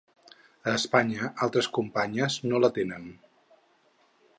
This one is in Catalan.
A Espanya altres companyes no la tenen.